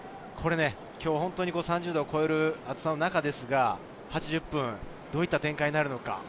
今日は本当に３０度を超える暑さの中ですが８０分どういった展開になるのか。